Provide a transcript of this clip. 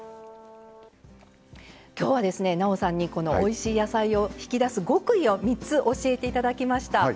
今日はですねなおさんにこのおいしい野菜を引き出す極意を３つ教えていただきました。